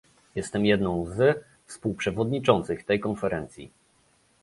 Jestem jedną z współprzewodniczących tej Konferencji